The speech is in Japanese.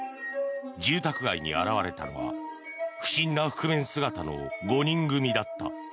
住宅街に現れたのは不審な覆面姿の５人組だった。